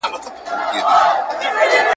له قلمه مي زړه تور دی له کلامه ګیله من یم ..